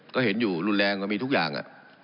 ก็เห็นอยู่รุนแรงก็มีทุกอย่าง